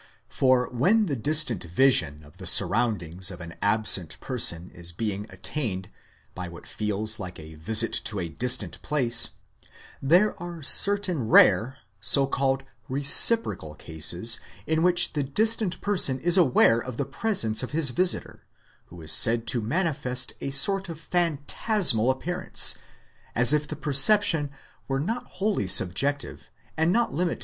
For when the distant vision of the surroundings of an absent person is being attained, by what feels like a visit to a distant place, there are certain rare, so called reciprocal, cases in which the distant person is aware of the presence of his visitor, who is said to manifest a sort of phantasmal appearance, as if the percep tion were not wholly subjective, and not limited to one side alone.